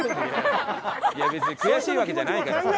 別に悔しいわけじゃないからさ。